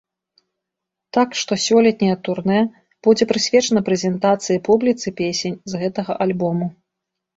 Так што сёлетняе турнэ будзе прысвечана прэзентацыі публіцы песень з гэтага альбому.